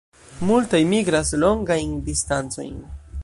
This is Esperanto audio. Multaj migras longajn distancojn.